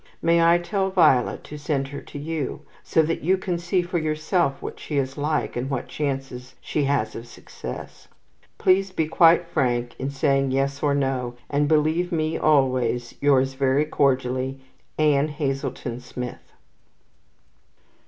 May I tell Violet to send her to you, so that you can see for yourself what she is like, and what chances she has of success? Please be quite frank in saying yes or no, and believe me always, Yours very cordially, ANN HAZELTON SMITH.